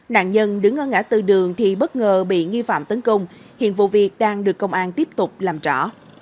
nạn nhân đứng ở ngã tư đường thì bất ngờ bị nghi phạm tấn công hiện vụ việc đang được công an tiếp tục làm rõ